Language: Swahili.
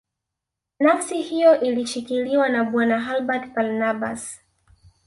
Nafasi hiyo ilishikiliwa na Bwana Herbert Barnabas